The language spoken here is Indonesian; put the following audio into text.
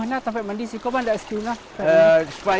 banyak poros mali dan pentingum dengan semangat lebih matahari